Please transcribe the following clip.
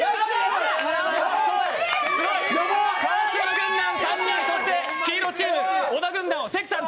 川島軍団３人、そして黄色チーム、小田軍団関さん